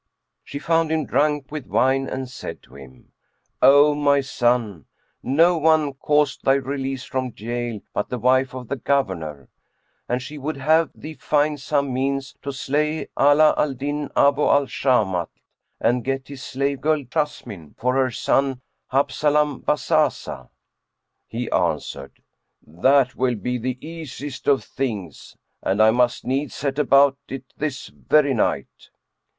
She found him drunk with wine and said to him, "O my son, no one caused thy release from jail but the wife of the Governor, and she would have thee find some means to slay Ala al Din Abu al Shamat and get his slave girl Jessamine for her son Habzalam Bazazah." He answered, "That will be the easiest of things; and I must needs set about it this very night."